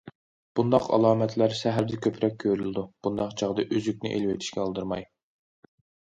بۇنداق ئالامەتلەر سەھەردە كۆپرەك كۆرۈلىدۇ، بۇنداق چاغدا ئۈزۈكنى ئېلىۋېتىشكە ئالدىرىماي.